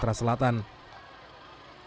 sampai di sumatera selatan